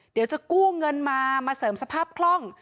เดี๋ยวจะกู้เงินมามาเสริมสภาพคล่อง